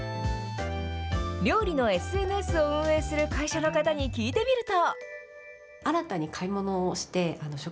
料理のＳＮＳを運営する会社の方に聞いてみると。